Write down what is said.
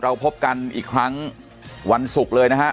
เราพบกันอีกครั้งวันศุกร์เลยนะฮะ